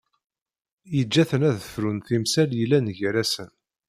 Yeǧǧa-ten ad frun timsal yellan gar-asen.